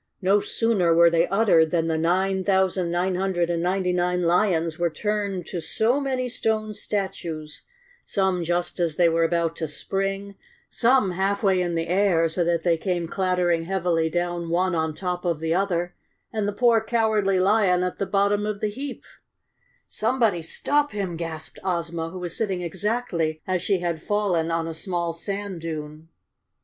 No sooner were they uttered than the nine thousand nine hundred and ninety nine lions were turned to so many stone statues—some just as they were about to spring, some half way in the air, so that they came clattering heavily down one on top of the other, and the poor Cowardly Lion at the bot ton of the heap! 276 Chapter Twenty One "Somebody stop him!" gasped Ozma who was sit¬ ting exactly as she had fallen on a small sand dune.